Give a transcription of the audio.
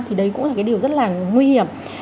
thì đấy cũng là cái điều rất là nguy hiểm